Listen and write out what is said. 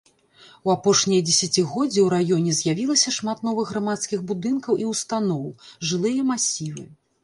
У апошнія дзесяцігоддзі ў раёне з'явілася шмат новых грамадскіх будынкаў і ўстаноў, жылыя масівы.